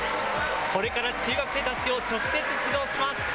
これから中学生たちを直接指導します。